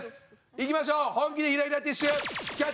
いきましょう。